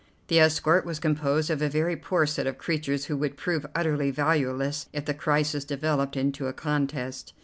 The escort was composed of a very poor set of creatures who would prove utterly valueless if the crisis developed into a contest.